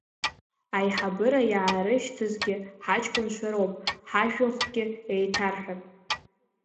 Аиҳабыра иаарышьҭызгьы ҳаҷкәынцәа роуп, ҳажәахәгьы еиҭарҳәап.